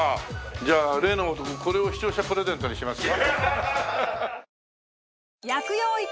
じゃあ例のごとくこれを視聴者プレゼントにしますか？